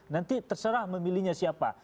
nanti terserah memilihnya siapa